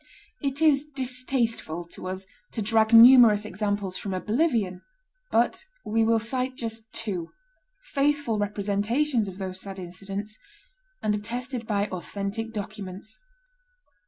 It is distasteful to us to drag numerous examples from oblivion; but we will cite just two, faithful representations of those sad incidents, and attested by authentic documents.